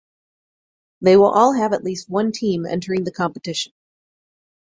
They will all have at least one team entering the competition.